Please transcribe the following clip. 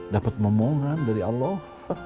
dapat memohonan dari allah